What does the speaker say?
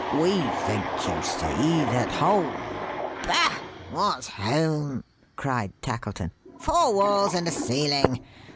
We think, you see, that home " "Bah! what's home?" cried Tackleton. "Four walls and a ceiling!